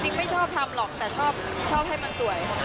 ไม่ชอบทำหรอกแต่ชอบให้มันสวย